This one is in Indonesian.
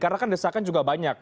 karena kan desakan juga banyak